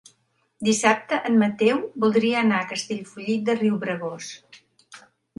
Dissabte en Mateu voldria anar a Castellfollit de Riubregós.